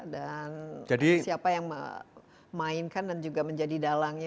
dan siapa yang memainkan dan juga menjadi dalangnya